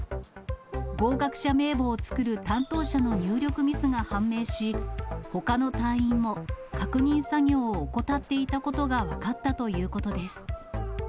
合格者名簿を作る担当者の入力ミスが判明し、ほかの隊員も確認作業を怠っていたことが分かったということです。